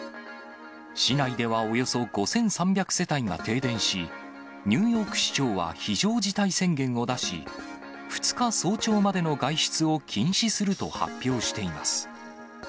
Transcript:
市内ではおよそ５３００世帯が停電し、ニューヨーク市長は非常事態宣言を出し、２日早朝までの外出を禁止すると発表しています。